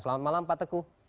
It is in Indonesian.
selamat malam pak teguh